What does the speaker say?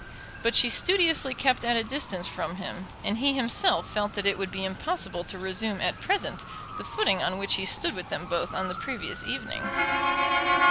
But she studiously kept at a distance from him, and he himself felt that it would be impossible to resume at present the footing on which he stood with them both on the previous evening.